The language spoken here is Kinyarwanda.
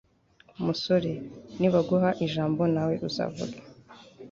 musore, nibaguha ijambo nawe uzavuge